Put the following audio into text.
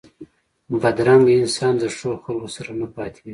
بدرنګه انسان د ښو خلکو سره نه پاتېږي